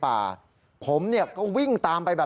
เพราะถูกทำร้ายเหมือนการบาดเจ็บเนื้อตัวมีแผลถลอก